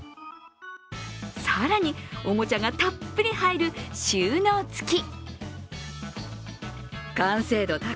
更に、おもちゃがたっぷり入る収納つき。